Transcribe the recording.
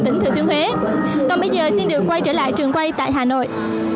tỉnh thừa thiên huế còn bây giờ xin được quay trở lại trường quay tại hà nội